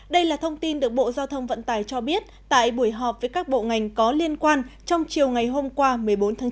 đây là thông tin được bộ giao thông vận tải cho biết tại buổi họp với các bộ ngành có liên quan trong chiều ngày hôm qua một mươi bốn tháng chín